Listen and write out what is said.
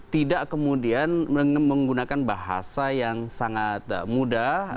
tidak kemudian menggunakan bahasa yang sangat mudah